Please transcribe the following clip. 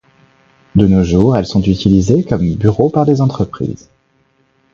De nos jours elles sont utilisées comme bureaux par des entreprises.